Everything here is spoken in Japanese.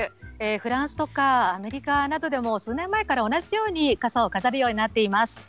フランスとかアメリカなどでも数年前から同じように、傘を飾るようになっています。